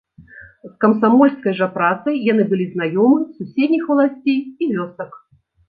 З камсамольскай жа працай яны былі знаёмы з суседніх валасцей і вёсак.